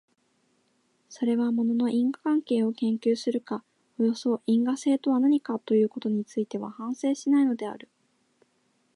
それは物の因果関係を研究するか、およそ因果性とは何かということについては反省しないのである。